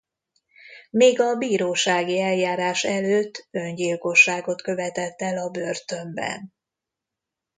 Még a bírósági eljárás előtt öngyilkosságot követett el a börtönben.